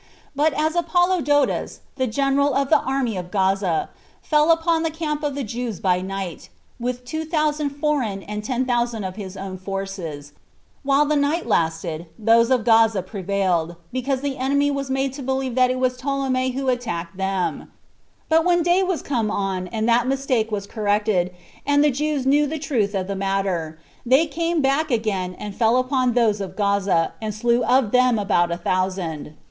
But as Apollodotus, the general of the army of Gaza, fell upon the camp of the Jews by night, with two thousand foreign and ten thousand of his own forces, while the night lasted, those of Gaza prevailed, because the enemy was made to believe that it was Ptolemy who attacked them; but when day was come on, and that mistake was corrected, and the Jews knew the truth of the matter, they came back again, and fell upon those of Gaza, and slew of them about a thousand.